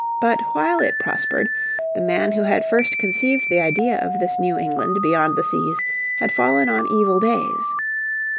But while it prospered the man who had first conceived the idea of this New England beyond the seas had fallen on evil days.